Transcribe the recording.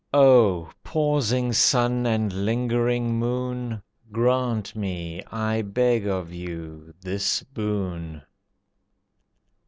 O Pausing Sun and Lingering Moon! Grant me, I beg of you, this boon.